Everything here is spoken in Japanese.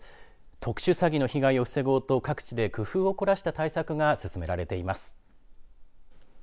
特殊詐欺の被害を防ごうと各地で工夫を凝らした対策が進められています。